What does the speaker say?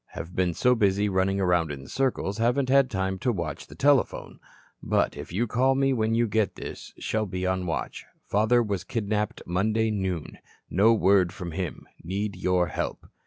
Have been so busy running around in circles, haven't had time to watch the telephone. But if you call me when you get this shall be on the watch. Father was kidnapped Monday noon. No word from him. Need your help."